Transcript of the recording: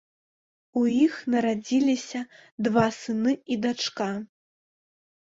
У іх нарадзіліся два сыны і дачка.